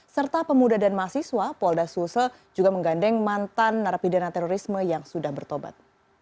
serta pemuda dan mahasiswa polda sulsel juga menggandeng mantan narapidana terorisme yang sudah bertobat